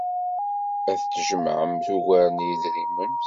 Ad tjemɛemt ugar n yedrimen.